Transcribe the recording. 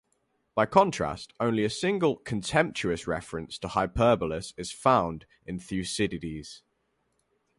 By contrast, only a single "contemptuous" reference to Hyperbolus is found in Thucydides.